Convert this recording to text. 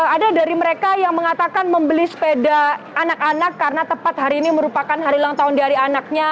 ada dari mereka yang mengatakan membeli sepeda anak anak karena tepat hari ini merupakan hari ulang tahun dari anaknya